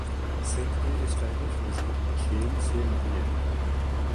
سندھ کے اسٹائلش وزیر کھیل سے ملیے